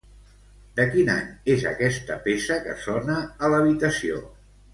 De quin any és aquesta peça que sona a l'habitació?